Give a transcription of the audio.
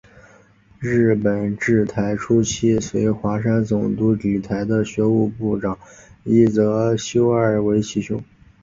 日本治台初期随桦山总督抵台的学务部长伊泽修二为其兄。